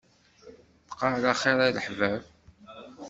Bqaw ɛla xir a leḥbab.